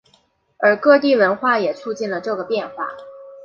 而各地文化也促进了这个变化。